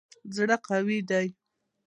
زړه قوي دی.